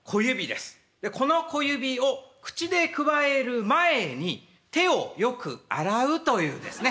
この小指を口でくわえる前に手をよく洗うというですね